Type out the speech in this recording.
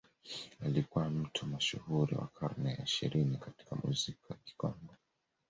Alikuwa mtu mashuhuri wa karne ya ishirini katika muziki wa Kikongo